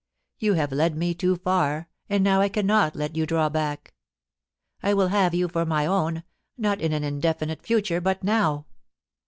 You have led me too far, and now I cannot let you draw back. I will have you for my own, not in an indefinite future, but now.